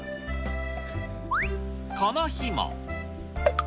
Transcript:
この日も。